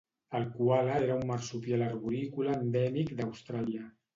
"El coala era un marsupial arborícola endèmic d'Austràlia."